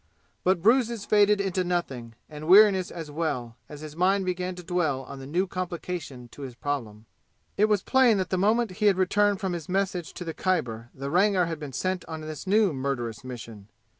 But bruises faded into nothing, and weariness as well, as his mind began to dwell on the new complication to his problem. It was plain that the moment he had returned from his message to the Khyber the Rangar had been sent on this new murderous mission.